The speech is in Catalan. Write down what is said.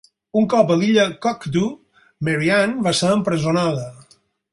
Un cop a l'illa Cockatoo, Mary Ann va ser empresonada.